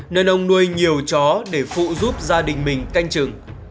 nên ông nuôi nhiều chó để phụ giúp gia đình mình canh trừng